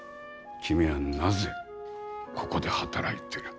君はなぜここで働いてる。